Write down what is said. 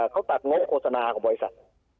เขาตัดงบโฆษณาของบริษัท